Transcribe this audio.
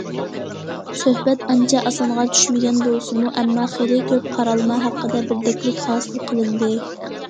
سۆھبەت ئانچە ئاسانغا چۈشمىگەن بولسىمۇ، ئەمما خېلى كۆپ قارالما ھەققىدە بىردەكلىك ھاسىل قىلىندى.